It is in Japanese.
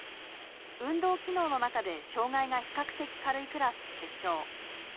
運動機能の中で障害が比較的軽いクラス決勝。